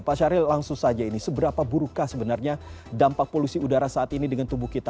pak syahril langsung saja ini seberapa burukkah sebenarnya dampak polusi udara saat ini dengan tubuh kita